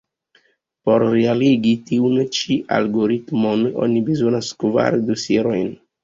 Por realigi tiun ĉi algoritmon, oni bezonas kvar dosierojn.